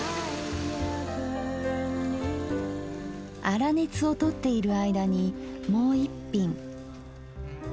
粗熱をとっている間にもう一品。